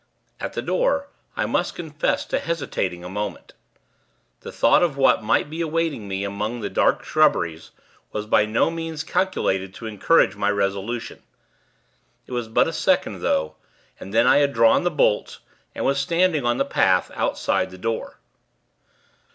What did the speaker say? At the door, I must confess to hesitating a moment. The thought of what might be awaiting me among the dark shrubberies, was by no means calculated to encourage my resolution. It was but a second, though, and then I had drawn the bolts, and was standing on the path outside the door.